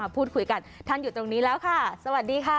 พูดคุยกันท่านอยู่ตรงนี้แล้วค่ะสวัสดีค่ะ